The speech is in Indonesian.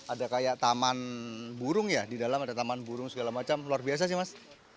ada kayak taman burung ya di dalam ada taman burung segala macam luar biasa sih mas